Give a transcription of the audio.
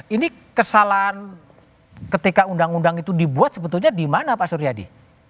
ini kesalahan ketika undang undang itu dibuat sebetulnya di mana pak suryadi